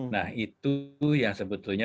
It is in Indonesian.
nah itu yang sebetulnya